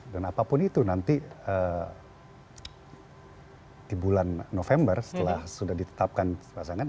dan apapun itu nanti di bulan november setelah sudah ditetapkan pasangan